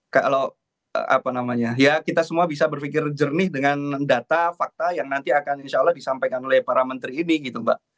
kalau apa namanya ya kita semua bisa berpikir jernih dengan data fakta yang nanti akan insya allah disampaikan oleh para menteri ini gitu mbak